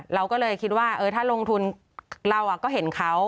เราก็เลยคิดว่าถ้าลงทุนเราก็เห็นเขา